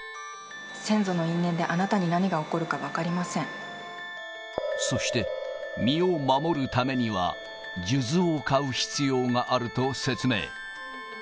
先祖の因縁で、あなたに何がそして、身を守るためには、数珠を買う必要があると説明。